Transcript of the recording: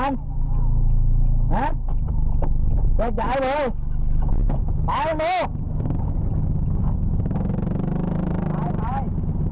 หาจัดจ่ายเลย